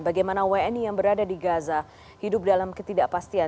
bagaimana wni yang berada di gaza hidup dalam ketidakpastian